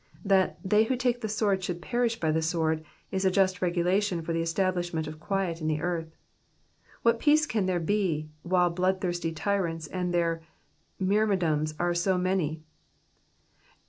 That they who take the sword should perish by the sword/' is a just regula tion for the establishment of quiet in the earth. What peace can there be, while blood thirsty tyrants and their myrmidons are so many